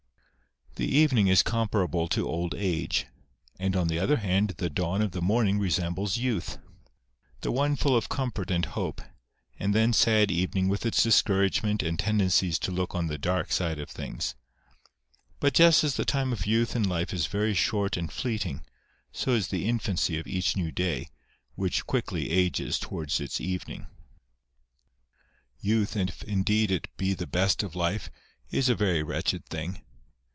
" The evening is comparable to old age ; and on the other hand, the dawn of the morning resembles youth ; the one full of comfort and hope, and then sad evening with its discouragement and tendencies to look on the dark side of things. But, just as the time of youth in life is very short and fleeting, so is the infancy of each new day, which quickly ages towards its evening. "Youth, if indeed it be the best of life, is a very wretched thing.